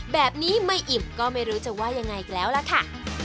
แบบนี้ไม่อิ่มก็ไม่รู้จะว่ายังไงอีกแล้วล่ะค่ะ